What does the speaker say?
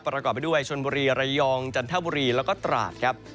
ประกอบไปด้วยชนบุรีระยองจันทบุรีแล้วก็ตราดครับ